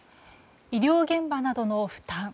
医療現場などの負担。